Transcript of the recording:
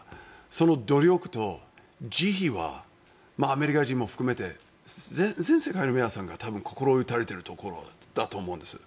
その努力と慈悲はアメリカ人も含めて全世界の皆さんが多分、心打たれているところだと思うんです。